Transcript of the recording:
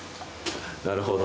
なるほど。